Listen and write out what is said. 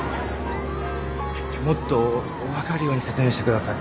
もっと分かるように説明してください。